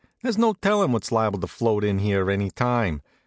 There's no tellin' what's liable to float in here any time.